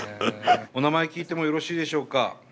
お名前聞いてもよろしいでしょうか？